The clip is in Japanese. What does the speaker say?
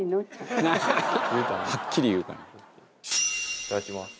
いただきます。